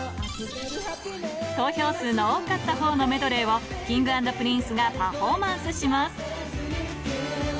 投票数の多かったほうのメドレーをＫｉｎｇ＆Ｐｒｉｎｃｅがパフォーマンスします。